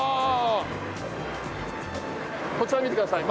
こちら見てください。